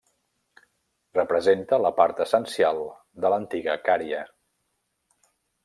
Representa la part essencial de l'antiga Cària.